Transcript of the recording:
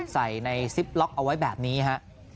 ใส่ในซิปล็อกเอาไว้แบบนี้ฮะ